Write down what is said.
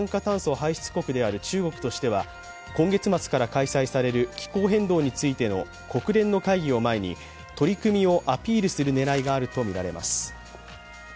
排出国である中国としては今月末から開催される気候変動についての国連の会議を前に取り組みをアピールする狙いがあるとみられます。